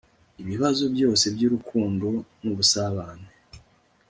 ibibazo byose byurukundo nubusabane